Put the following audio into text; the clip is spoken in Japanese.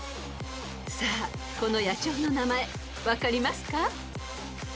［さあこの野鳥の名前分かりますか？］